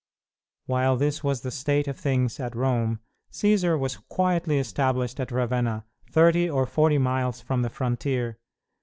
While this was the state of things at Rome, Cćsar was quietly established at Ravenna, thirty or forty miles from the frontier.